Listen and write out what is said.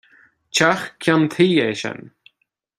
Teach ceann tuí é sin.